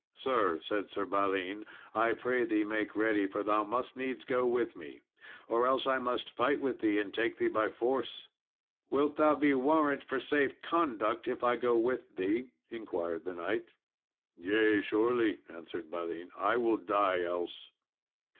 "Sir," said Sir Balin, "I pray thee make ready, for thou must needs go with me or else I must fight with thee and take thee by force." "Wilt thou be warrant for safe conduct, if I go with thee?" inquired the knight. "Yea, surely," answered Balin, "I will die else."